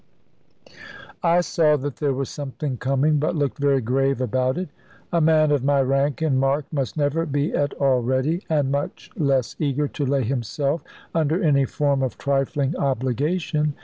I saw that there was something coming, but looked very grave about it. A man of my rank and mark must never be at all ready, and much less eager, to lay himself under any form of trifling obligation.